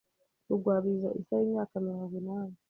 Rugwabiza Issa w’imyaka mirongo inani